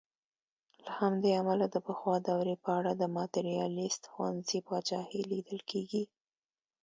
له همدې امله د پخوا دورې په اړه د ماتریالیسټ ښوونځي پاچاهي لیدل کېږي.